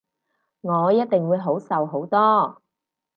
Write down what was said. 我一定會好受好多